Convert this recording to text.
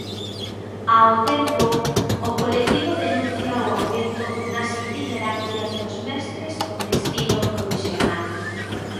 Ao tempo, o colectivo denuncia o aumento nas itinerancias dos mestres con destino provisional.